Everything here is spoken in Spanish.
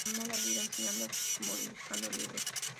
Se ganó la vida enseñando, así como ilustrando libros.